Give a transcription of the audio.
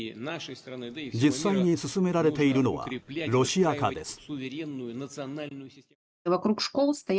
実際に進められているのはロシア化です。